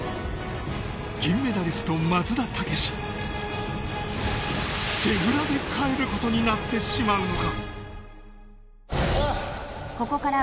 銀メダリスト松田丈志手ぶらで帰ることになってしまうのか？